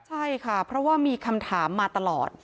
ใช่ค่ะเพราะว่ามีคำถามมาตลอด